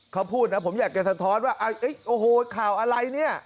เขาพูดนะผมอยากจะสะท้อนว่าโอ้โหข่าวอะไรเนี่ย